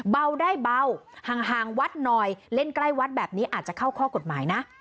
เบาได้เบาห่างวัดหน่อยเล่นใกล้วัดแบบนี้อาจจะเข้าข้อกฎหมายนะ